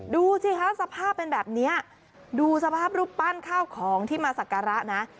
ดูสิคะสภาพเป็นแบบนี้ดูสภาพรูปปั้นข้าวของที่มาสักการะนะ